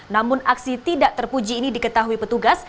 namun aksi tidak terpuji ini diketahui petugas